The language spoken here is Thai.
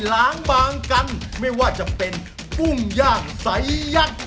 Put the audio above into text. ล้างบางกันไม่ว่าจะเป็นกุ้งย่างใสยักษ์